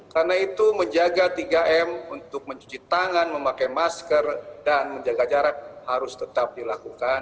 karena itu menjaga tiga m untuk mencuci tangan memakai masker dan menjaga jarak harus tetap dilakukan